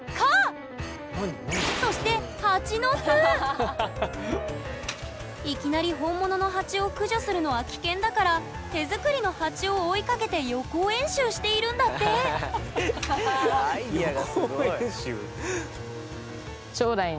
そしていきなり本物のハチを駆除するのは危険だから手作りのハチを追いかけて予行演習しているんだってのでやってます。